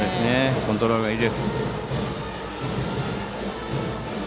コントロールがいいですね。